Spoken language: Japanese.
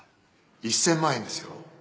１，０００ 万円ですよ